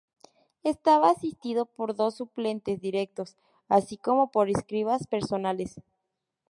Estaba asistido por dos suplentes directos, así como por escribas personales.